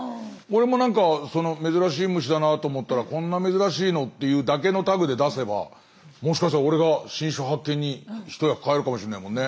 俺もなんか珍しい虫だなと思ったらこんな珍しいのっていうだけのタグで出せばもしかしたら俺が新種発見に一役買えるかもしれないもんね。